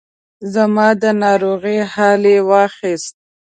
زما د ناروغۍ حال یې واخیست.